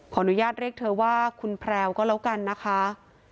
อนุญาตเรียกเธอว่าคุณแพรวก็แล้วกันนะคะ